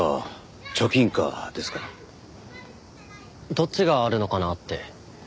どっちがあるのかなって。